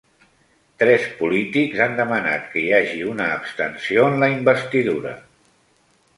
Tres polítics han demanat que hi hagi una abstenció en la investidura